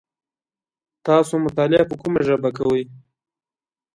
تاسو مطالعه په کومه ژبه کوی ؟